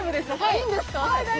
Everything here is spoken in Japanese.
いいんですか？